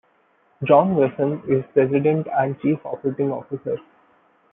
John Wasson is president and chief operating officer.